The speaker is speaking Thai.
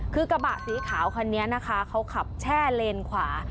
คือกระบะสีขาวคันนี้นะคะเขาขับแช่เลนขวา